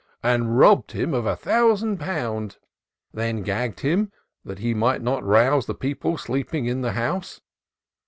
And robb*d him of a thousand pound ; Then gagg*d him, that he might not rouse The people sleeping in the house."